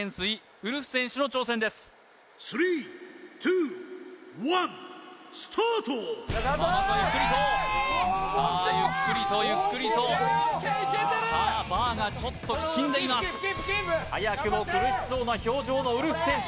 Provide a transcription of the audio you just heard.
ウルフ選手の挑戦ですさあまずはゆっくりとさあゆっくりとゆっくりとさあバーがちょっときしんでいます早くも苦しそうな表情のウルフ選手